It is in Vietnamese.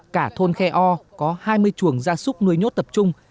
cả thôn khe o có hai mươi chuồng gia súc nuôi nhốt tập trung